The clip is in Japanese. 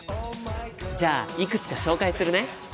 じゃあいくつか紹介するね。